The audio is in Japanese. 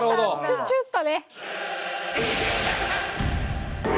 チュチュッとね。